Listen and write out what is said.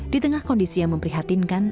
di tengah kondisi yang memprihatinkan